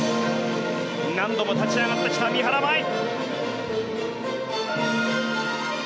何度も立ち上がってきた三原舞依！